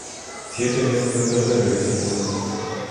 Siete meses más tarde regresó al pelotón.